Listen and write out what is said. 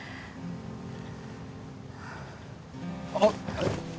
あっ！